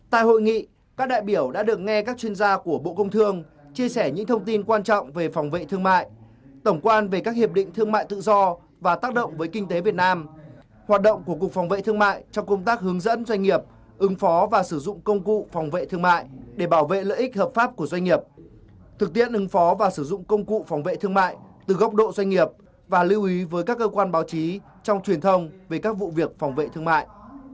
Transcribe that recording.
tại hội nghị các đại biểu đã được nghe các chuyên gia của bộ công thương chia sẻ những thông tin quan trọng về phòng vệ thương mại tổng quan về các hiệp định thương mại tự do và tác động với kinh tế việt nam hoạt động của cục phòng vệ thương mại trong công tác hướng dẫn doanh nghiệp ứng phó và sử dụng công cụ phòng vệ thương mại để bảo vệ lợi ích hợp pháp của doanh nghiệp thực tiễn ứng phó và sử dụng công cụ phòng vệ thương mại từ góc độ doanh nghiệp và lưu ý với các cơ quan báo chí trong truyền thông về các vụ việc phòng vệ thương mại